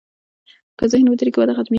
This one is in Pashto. که ذهن ودرېږي، وده ختمېږي.